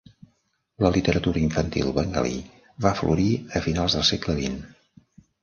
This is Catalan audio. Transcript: La literatura infantil bengalí va florir a finals del segle XX.